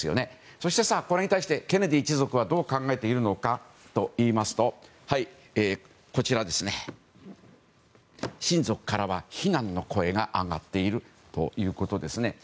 そして、これに対してケネディ一族はどう考えているのかですが親族からは非難の声が上がっているということですね。